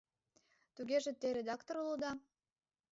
— Тугеже те редактор улыда?